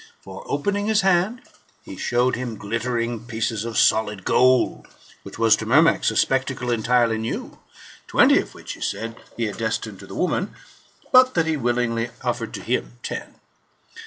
For, opening his hand, he showed him glittering pieces of solid gold, which was to Myrmex a spectacle entirely new ; twenty of which, he said, he had destined to the woman , but that he willingly offered to him ten.